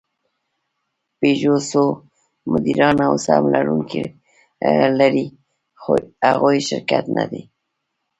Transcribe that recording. پيژو څو مدیران او سهم لرونکي لري؛ خو هغوی شرکت نهدي.